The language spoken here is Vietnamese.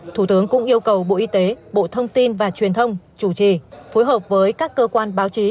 thủ tướng cũng yêu cầu bộ y tế bộ thông tin và truyền thông chủ trì phối hợp với các cơ quan báo chí